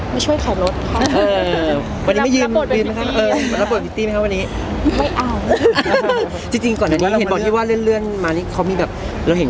มีแมเลมาให้กำลังใจเเตอไร่ก่อนโทรก่อน